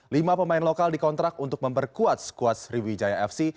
lima pemain lokal dikontrak untuk memperkuat skuad sriwijaya fc